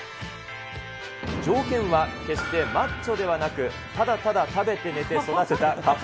条件は決してマッチョではなく、ただただ食べて寝て育てたかっ